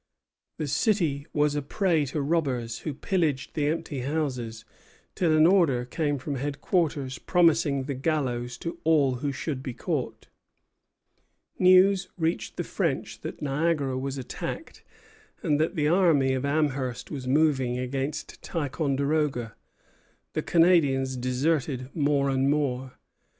The city was a prey to robbers, who pillaged the empty houses, till an order came from headquarters promising the gallows to all who should be caught. News reached the French that Niagara was attacked, and that the army of Amherst was moving against Ticonderoga. The Canadians deserted more and more.